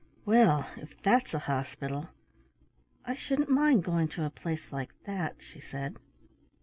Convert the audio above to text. "Well, if that's a hospital I shouldn't mind going to a place like that," she said.